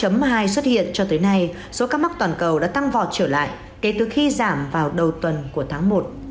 năm hai xuất hiện cho tới nay số ca mắc toàn cầu đã tăng vọt trở lại kể từ khi giảm vào đầu tuần của tháng một